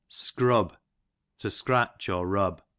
Scrub, to scratch or rub.